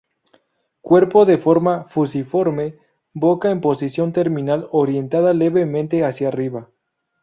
Cuerpo de forma fusiforme, boca en posición terminal orientada levemente hacia arriba.